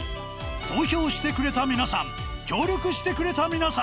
投票してくれた皆さん協力してくれた皆さん